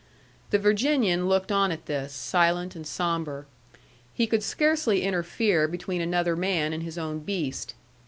The Virginian looked on at this, silent and sombre. He could scarcely interfere between another man and his own beast.